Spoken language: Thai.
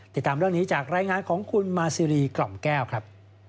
ติดตามเรื่องนี้จากรายงานของคุณมาซีรีกล่อมแก้วครับ